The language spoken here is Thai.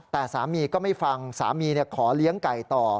แต่สามีก็ไม่ฟังสามีขอเลี้ยงไก่ต่อ